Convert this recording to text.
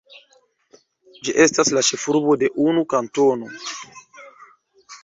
Ĝi estas la ĉefurbo de unu kantono.